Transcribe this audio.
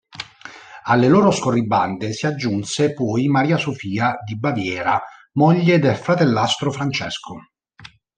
Alle loro scorribande si aggiunse poi Maria Sofia di Baviera, moglie del fratellastro Francesco.